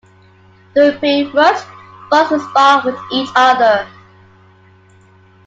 During pre-rut, bucks will spar with each other.